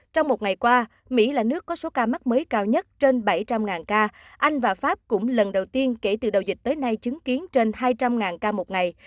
trong một ngày qua mỹ là nước có số ca mắc mới cao nhất trên bảy trăm linh ca anh và pháp cũng lần đầu tiên kể từ đầu dịch tới nay chứng kiến trên hai trăm linh ca một ngày